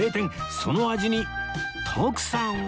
その味に徳さんは